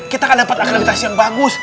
kita akan dapat akreditasi yang bagus